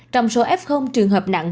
trong số f trường hợp nặng